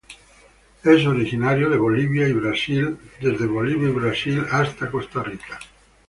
Es originario de Bolivia y Brasil a Costa Rica.